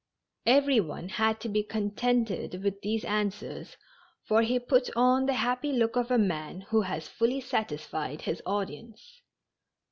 Every one had to be contented with these answers, for he put on the happy look of a man who has fully satisfied his audience.